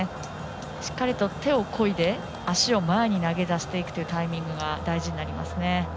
しっかり手をこいで足を前に投げ出していくというタイミングが大事になりますね。